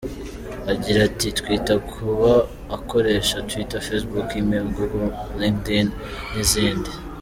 Agira ati ”Twita ku kuba akoresha twitter, facebook, email, google, LinkedIn n’izindi.